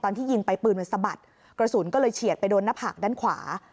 ตอนที่ยิงไปปืนมันสะบัดกระสุนก็เลยเฉียดไปโดนหน้าผากด้านขวา